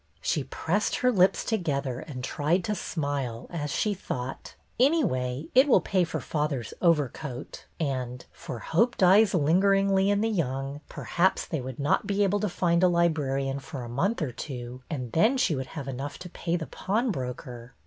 She pressed her lips together and tried to smile as she thought : Anyway, it will pay for father's overcoat." And — for hope dies THE NEW LIBRARIAN 207 lingeringly in the young — perhaps they would not be able to find a librarian for a month or two, and then she would have enough to pay the pawnbroker.